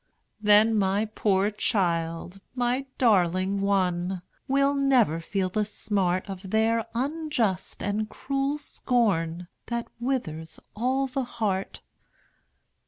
Then my poor child, my darling one, Will never feel the smart Of their unjust and cruel scorn, That withers all the heart.